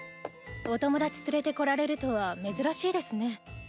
お友達連れてこられるとは珍しいですね